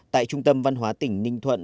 tại trung tâm văn hóa tỉnh ninh thuận